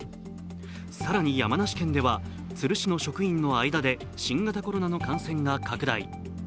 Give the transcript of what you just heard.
更に、山梨県では都留市の職員の間で新型コロナの感染が拡大。